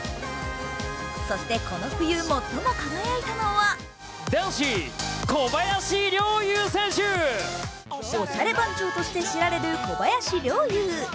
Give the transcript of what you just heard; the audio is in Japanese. そしてこの冬、最も輝いたのはおしゃれ番長として知られる小林陵侑。